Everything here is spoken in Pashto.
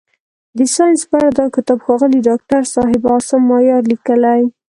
د ساینس په اړه دا کتاب ښاغلي داکتر صاحب عاصم مایار لیکلی.